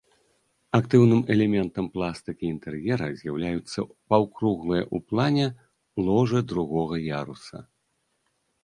Актыўным элементам пластыкі інтэр'ера з'яўляюцца паўкруглыя ў плане ложы другога яруса.